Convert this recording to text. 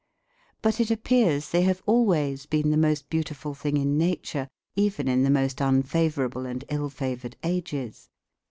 But it appears they have always been the most beautiful thing in nature even in the most unfavourable and ill favoured ages.